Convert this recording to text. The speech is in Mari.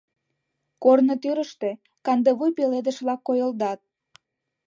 Корно тӱрыштӧ кандывуй пеледыш-влак койылдат.